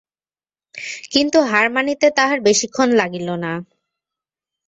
কিন্তু হার মানিতে তাহার বেশিক্ষণ লাগিল না।